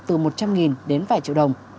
từ một trăm linh đến vài triệu đồng